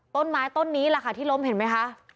ต้นไม้ต้นนี้แหละค่ะที่ล้มเห็นไหมคะ